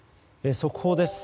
速報です。